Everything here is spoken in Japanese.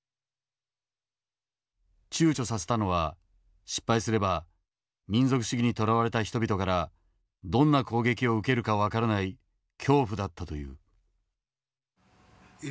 ちゅうちょさせたのは失敗すれば民族主義に捉われた人々からどんな攻撃を受けるか分からない恐怖だったという。